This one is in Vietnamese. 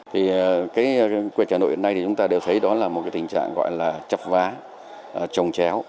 thì quy hoạch hà nội hôm nay chúng ta đều thấy đó là một tình trạng gọi là chập vá trồng chéo